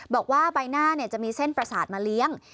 บอกว่าใบหน้าจะมีเส้นประสาทมาเลี้ยง